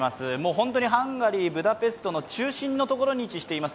本当にハンガリー・ブダペストの中心に位置しています。